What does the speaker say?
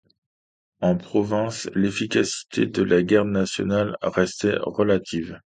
En province, l'efficacité de la garde nationale restait relative.